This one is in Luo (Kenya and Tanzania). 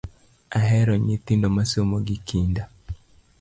Ahero nyithindo masomo gi kinda